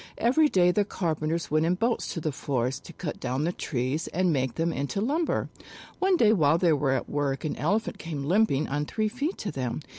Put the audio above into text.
Every day the carpenters went in boats to the forest to cut down the trees and make them into lumber. One day while they were at work an Elephant came limping on three feet to them.